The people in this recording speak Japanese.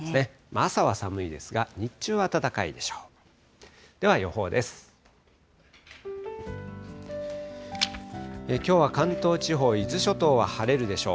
朝は寒いですが、日中は暖かいでしょう。